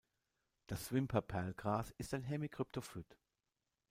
Das Wimper-Perlgras ist ein Hemikryptophyt.